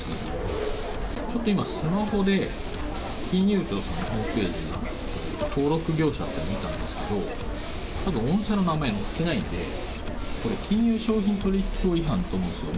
ちょっと今、スマホで金融庁さんのホームページで登録業者って見たんですけれども、たぶん御社の名前載ってないんで、これ、金融商品取引法違反だと思うんですよね。